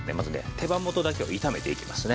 手羽元だけを炒めていきますね。